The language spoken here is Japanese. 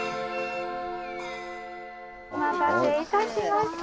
お待たせいたしました。